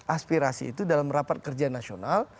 aspirasi itu dalam rapat kerja nasional